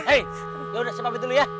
hei gue udah siap pamit dulu ya